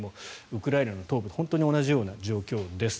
ウクライナの東部と本当に同じような状況です。